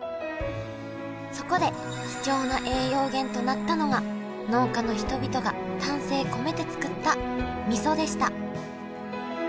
そこで貴重な栄養源となったのが農家の人々が丹精込めて作ったみそでした。